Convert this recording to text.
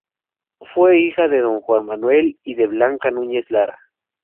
Fue hija Don Juan Manuel y de Blanca Núñez de Lara.